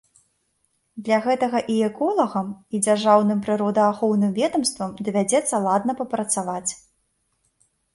Для гэтага і эколагам, і дзяржаўным прыродаахоўным ведамствам давядзецца ладна папрацаваць.